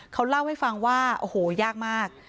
เขาเล่าให้ฟังว่าโอ้โหยากมาก